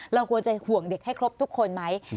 เราควรจะห่วงเด็กให้ครบทุกคนไหม